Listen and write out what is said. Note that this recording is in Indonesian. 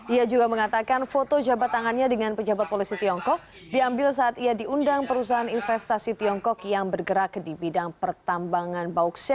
ia juga mengatakan foto jabat tangannya dengan pejabat polisi tiongkok diambil saat ia diundang perusahaan investasi tiongkok yang bergerak di bidang pertambangan bauksi